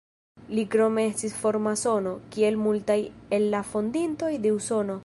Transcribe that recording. Li krome estis framasono, kiel multaj el la fondintoj de Usono.